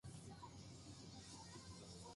昭和レトロな喫茶店風料理